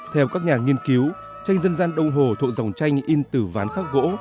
theo các nhà nghiên cứu tranh dân gian đông hồ thuộc dòng tranh in tử ván khắc gỗ